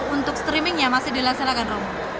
untuk streamingnya masih dilaksanakan romo